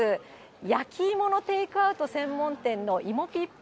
焼き芋のテイクアウト専門店の芋ぴっぴ。